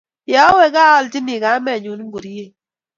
Ye awe kaa aaljini kamennyu ngoryet